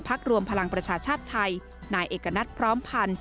พักรวมพลังประชาชาติไทยนายเอ็กตนัฏภร้อมพลัน